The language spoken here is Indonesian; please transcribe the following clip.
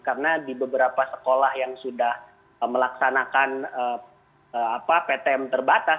karena di beberapa sekolah yang sudah melaksanakan ptm terbatas